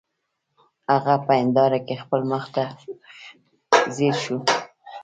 هغه په هنداره کې خپل مخ ته ځیر شو